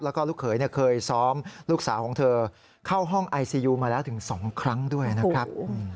แล้วก็ลูกเขยเคยซ้อมลูกสาวของเธอเข้าห้องไอซียูมาแล้วถึง๒ครั้งด้วยนะครับ